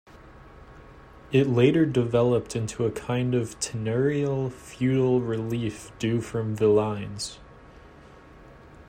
It later developed into a kind of tenurial feudal relief due from villeins.